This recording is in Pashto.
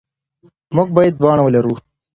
موږ باید دواړه ولرو.